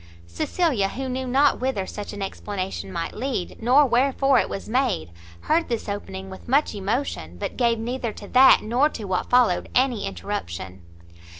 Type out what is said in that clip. Cecilia, who knew not whither such an explanation might lead, nor wherefore it was made, heard this opening with much emotion, but gave neither to that nor to what followed any interruption.